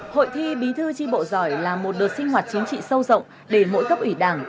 hội thi bí thư tri bộ giỏi là một đợt sinh hoạt chính trị sâu rộng để mỗi cấp ủy đảng